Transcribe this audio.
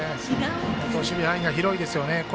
守備範囲、広いですよね。